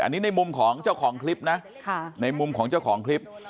อันนี้ในมุมของเจ้าของคลิปนะในมุมของเจ้าของคลิป